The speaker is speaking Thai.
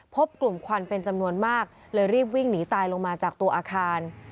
พบกลุ่มควันเป็นจำนวนมากเลยรีบวิ่งหนีตายลงมาจากตัวอาคาร